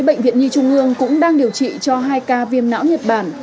bệnh viện nhi trung ương cũng đang điều trị cho hai ca viêm não nhật bản